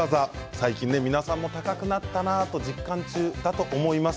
最近、皆さんも高くなったなと実感中だと思います。